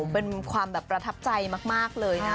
เป็นความแบบประทับใจมากเลยนะ